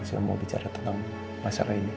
saya mau bicara tentang masalah ini